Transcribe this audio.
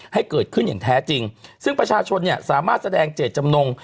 ให้เกิดขึ้นอย่างแท้จริงซึ่งประชาชนเนี่ยสามารถแสดงเจตจำนง